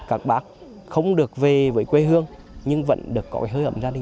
thời gian của các bác các bác không được về với quê hương nhưng vẫn được có cái hơi ấm gia đình ở đây